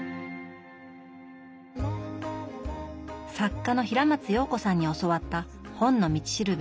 作家の平松洋子さんに教わった「本の道しるべ」。